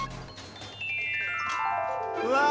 うわ！